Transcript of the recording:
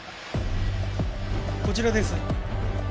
こちらです。